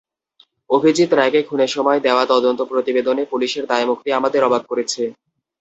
অভিজিৎ রায়কে খুনের ঘটনায় দেওয়া তদন্ত প্রতিবেদনে পুলিশের দায়মুক্তি আমাদের অবাক করেছে।